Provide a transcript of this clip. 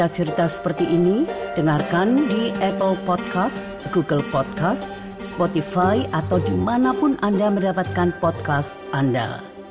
sampai jumpa di video selanjutnya